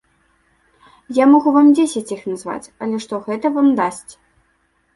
Я магу вам дзесяць іх назваць, але што гэта вам дасць?